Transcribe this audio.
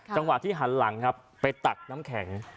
จังหวะที่หันหลังครับไปตักน้ำแข็ง